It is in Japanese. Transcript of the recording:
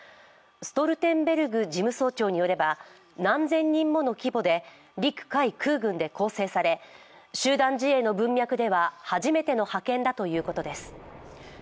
ストルテンベルグ事務総長によれば、何千人もの規模で陸海空軍で構成され、集団自衛の文脈では初めての派遣だということです。